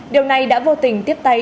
điều này đã vô tình tiếp tay